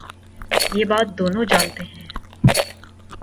یہ بات دونوں جا نتے ہیں۔